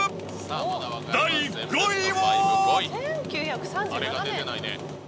第５位は。